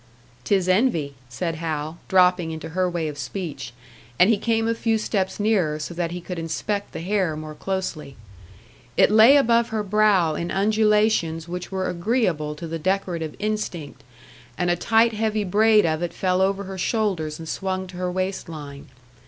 "'Tis envy," said Hal, dropping into her way of speech; and he came a few steps nearer, so that he could inspect the hair more closely. It lay above her brow in undulations which were agreeable to the decorative instinct, and a tight heavy braid of it fell over her shoulders and swung to her waist line.